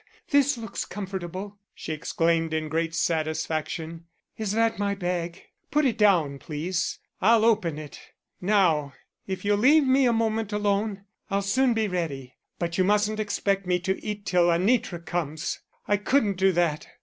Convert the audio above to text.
"Ah, this looks comfortable," she exclaimed in great satisfaction. "Is that my bag? Put it down, please. I'll open it. Now, if you'll leave me a moment alone, I'll soon be ready. But you mustn't expect me to eat till Anitra comes. I couldn't do that.